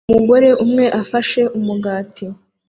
Umugore umwe ufashe umugati